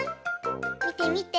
みてみて。